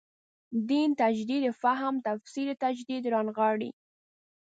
دین تجدید فهم تفسیر تجدید رانغاړي.